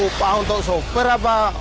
upah untuk sopir apa